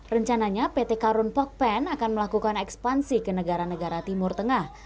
rencananya pt karun pokpen akan melakukan ekspansi ke negara negara timur tengah